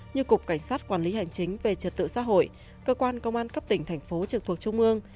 như cục cảnh sát quản lý hành chính về trật tự xã hội cơ quan công an cấp tỉnh thành phố trực thuộc trung ương